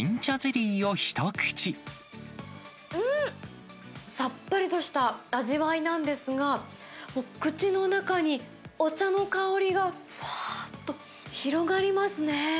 うーん！さっぱりとした味わいなんですが、口の中にお茶の香りがふわーっと広がりますね。